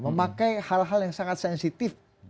memakai hal hal yang sangat sensitif